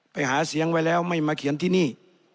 ไปหาเสียงไว้แล้วไม่มาเขียนที่นี่